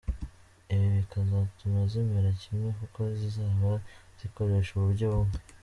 Ibi bikazatuma zimera kimwe kuko zizaba zikoresha uburyo bumwe.